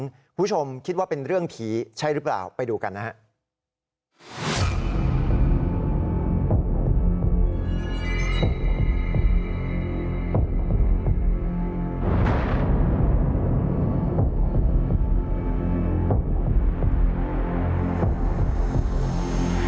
คุณผู้ชมคิดว่าเป็นเรื่องผีใช่หรือเปล่าไปดูกันนะครับ